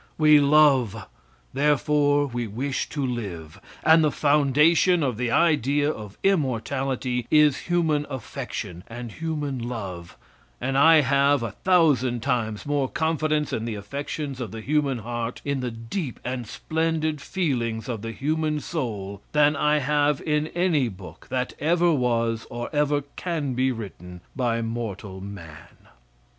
We love, therefore we wish to live, and the foundation of the idea of immortality is human affection and human love, and I have a thousand times more confidence in the affections of the human heart, in the deep and splendid feelings of the human soul than I have in any book that ever was or ever can be written by mortal man.